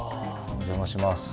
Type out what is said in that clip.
お邪魔します。